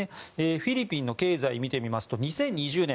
フィリピンの経済、見てみますと２０２０年